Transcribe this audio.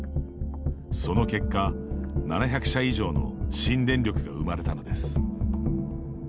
その結果、７００社以上の新電力が生まれたのです。